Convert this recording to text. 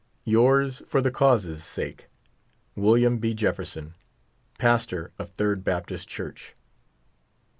Yours for the cause's sake, WM. B. JEFFERSON. Pastor of Third Baptist Church.